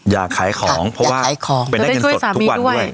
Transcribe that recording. อยากขายของเพราะว่าเป็นได้เงินสดทุกวันด้วย